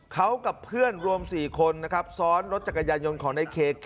เขากับเพื่อนรวม๔คนนะครับซ้อนรถจักรยานยนต์ของในเค